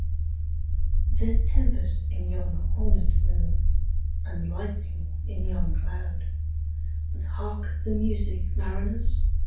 There's tempest in yon hornèd moon, And lightning in yon cloud:But hark the music, mariners!